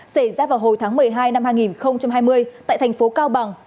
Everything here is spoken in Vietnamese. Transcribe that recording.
xảy ra vào hồi tháng một mươi hai năm hai nghìn hai mươi tại thành phố cao bằng